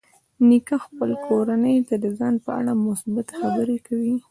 نیکه خپل کورنۍ ته د ځان په اړه مثبتې خبرې کوي.